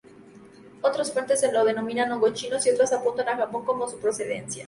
Otras fuentes lo denominan "hongos chinos" y otras apuntan a Japón como su procedencia.